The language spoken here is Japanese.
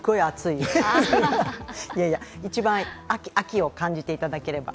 いやいや、一番秋を感じていただければ。